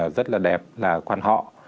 rất là đẹp là quan họ